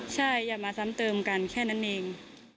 ใช่อย่ามาซ้ำเติมกันแค่นั้นเอง